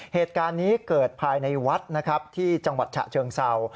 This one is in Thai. เหตุการณ์นี้เกิดภายในวัดนะครับที่จังหวัดฉะเชิงเศร้า